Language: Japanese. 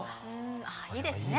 ああいいですね